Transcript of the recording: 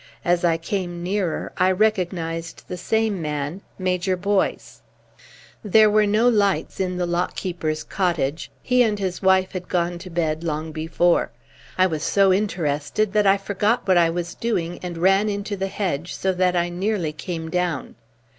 As I came nearer I recognised the same man, Major Boyce. There were no lights in the lock keeper's cottage. He and his wife had gone to bed long before. I was so interested that I forgot what I was doing and ran into the hedge so that I nearly came down.